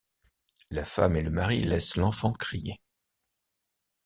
La femme et le mari laissent l’enfant crier.